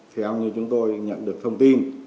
theo như chúng tôi nhận được thông tin